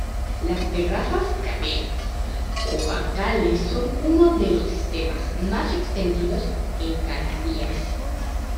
Las terrazas, cadenas o bancales son uno de los sistemas más extendidos en Canarias.